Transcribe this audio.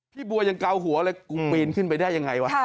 บัวยังเกาหัวเลยกูปีนขึ้นไปได้ยังไงวะ